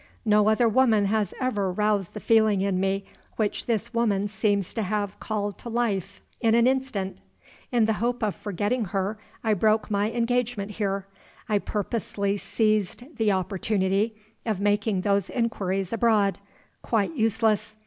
No other woman has ever roused the feeling in me which this woman seems to have called to life in an instant. In the hope of forgetting her I broke my engagement here; I purposely seized the opportunity of making those inquiries abroad. Quite useless.